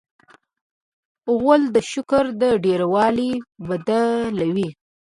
غول د شکر ډېروالی بدلوي.